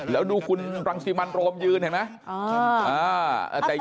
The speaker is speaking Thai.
แล้วดูคุณรังสิมันโรมยืนเห็นไหม